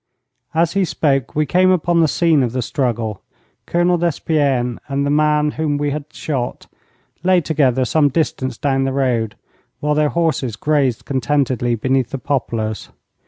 As he spoke we came upon the scene of the struggle. Colonel Despienne and the man whom we had shot lay together some distance down the road, while their horses grazed contentedly beneath the poplars.